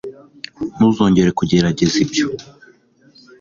ntuzongere kugerageza ibyo